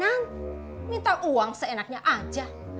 nanti minta uang seenaknya aja